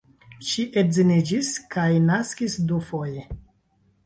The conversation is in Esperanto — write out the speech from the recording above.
Ŝi edziniĝis kaj naskis dufoje.